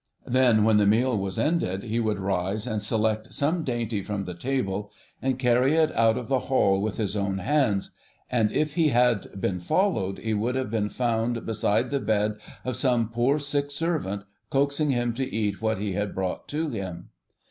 Then, when the meal was ended he would rise, and select some dainty from the table, and carry it out of the hall with his own hands; and if he had been followed, he would have been found beside the bed of some poor sick servant, coaxing him to eat what he had brought to him.